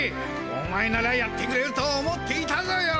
お前ならやってくれると思っていたぞよ。